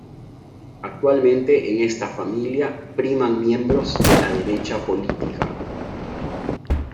Actualmente en esta familia priman miembros de la derecha política.